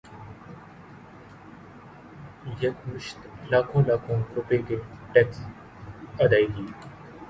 یکمشت لاکھوں لاکھوں روپے کے ٹیکس ادائیگی